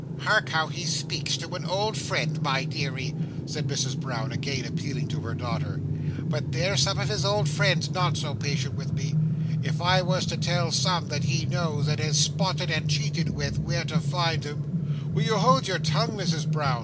"Hark how he speaks to an old friend, my deary!" said Mrs Brown, again appealing to her daughter. "But there's some of his old friends not so patient as me. If I was to tell some that he knows, and has spotted and cheated with, where to find him—" "Will you hold your tongue, Misses Brown?"